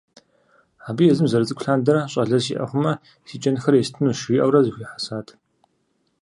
Абы езым зэрыцӏыкӏу лъандэрэ, щӀалэ сиӀэ хъумэ си кӀэнхэр естынущ жиӀэурэ зэхуихьэсат.